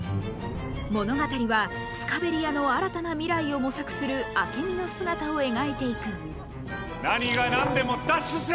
物語はスカベリアの新たな未来を模索するアケミの姿を描いていく何が何でも奪取しろ！